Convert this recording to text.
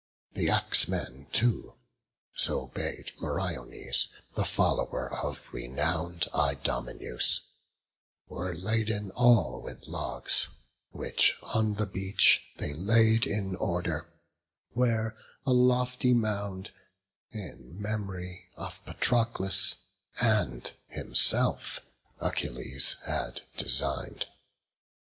The axe men too, so bade Meriones, The follower of renown'd Idomeneus, Were laden all with logs, which on the beach They laid in order, where a lofty mound, In mem'ry of Patroclus and himself, Achilles had design'd.